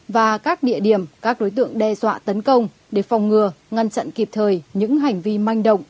và các địa điểm các đối tượng đe dọa tấn công để phòng ngừa ngăn chặn kịp thời những hành vi manh động